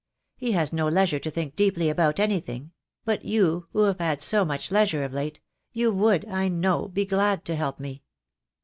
He has no leisure to think deeply about anything — but you who have had so much leisure of late — you would, I know, be glad to help me."